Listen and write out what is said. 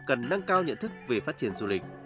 cần nâng cao nhận thức về phát triển du lịch